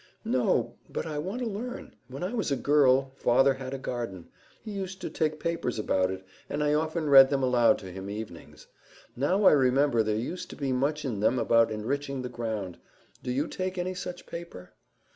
"No, but I want to learn. When I was a girl, father had a garden. He used to take papers about it, and I often read them aloud to him evenings. Now I remember there used to be much in them about enriching the ground. Do you take any such paper?"